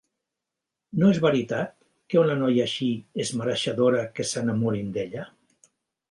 No és veritat que una noia així és mereixedora que s'enamorin d'ella?